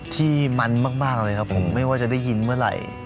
ที่มันมากเลยครับผมไม่ว่าจะได้ยินเมื่อไหร่